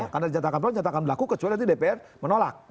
karena dijatakan perpu dijatakan berlaku kecuali di dpr menolak